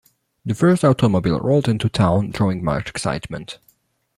The first automobile rolled into town, drawing much excitement.